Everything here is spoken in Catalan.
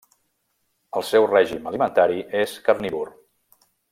El seu règim alimentari és carnívor.